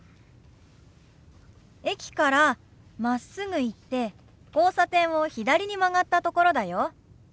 駅からまっすぐ行って交差点を左に曲がったところだよ。